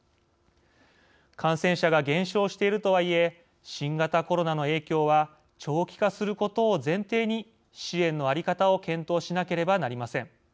感染者が減少しているとはいえ新型コロナの影響は長期化することを前提に支援の在り方を検討しなければなりません。